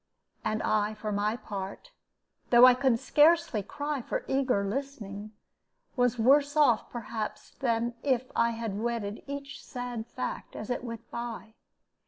And I, for my part, though I could scarcely cry for eager listening, was worse off perhaps than if I had wetted each sad fact as it went by.